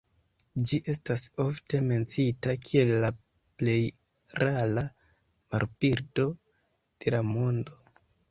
Ĝi estas ofte menciita kiel la plej rara marbirdo de la mondo.